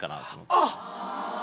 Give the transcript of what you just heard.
あっ！